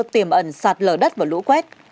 tiềm ẩn sạt lở đất và lũ quét